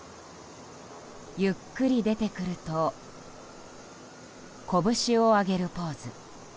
ゆっくり出てくると拳を上げるポーズ。